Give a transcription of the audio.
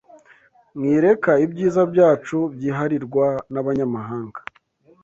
mwireka ibyiza byacu byiharirwa n’ abanyamahanga